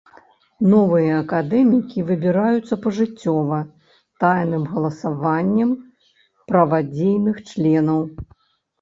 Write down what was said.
Новыя акадэмікі выбіраюцца пажыццёва, тайным галасаваннем правадзейных членаў.